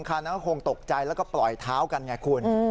เขาก็คงตกใจแล้วก็ปล่อยเท้ากันไงคุณ